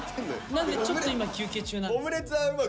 なんでちょっと今休憩中なんですけど。